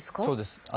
そうです。